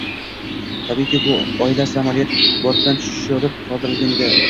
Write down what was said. Tabiiyki, bu oila samolyot bortidan tushirib qoldirilgan edi